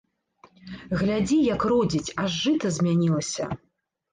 Глядзі, як родзіць, аж жыта змянілася!